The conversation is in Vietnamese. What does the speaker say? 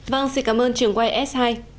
vâng xin cảm ơn trưởng ys hai